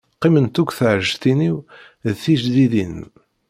Qqiment akk tɛelǧtin-iw d tijdidin.